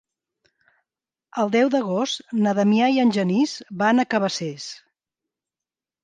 El deu d'agost na Damià i en Genís van a Cabacés.